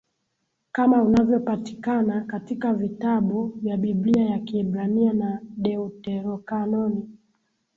kama unavyopatikana katika vitabu vya Biblia ya Kiebrania na Deuterokanoni